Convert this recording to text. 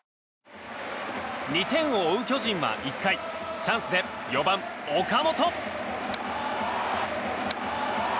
２点を追う巨人は１回チャンスで４番、岡本。